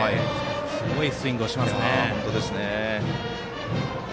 すごいスイングをしますね。